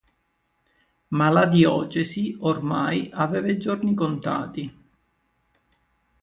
Ma la diocesi oramai aveva i giorni contati.